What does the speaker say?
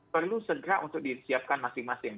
perlu segera untuk disiapkan masing masing